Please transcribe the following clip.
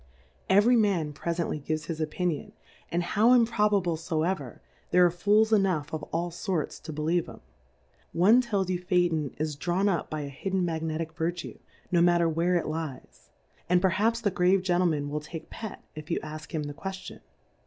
Every Man prefently gives liis Opinion, and how improbable foever, there are Fools enough of all forts to believe 'em : One tells you Phaeton is drawn up by a hidden Magnetick Vertue, no matter where it lies ; and perhaps the grave. Gentleman will take Pet, if you ask him the Qtieftion.